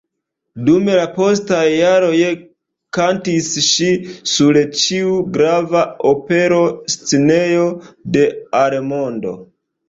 Dum la postaj jaroj kantis ŝi sur ĉiu grava opera scenejo de al mondo.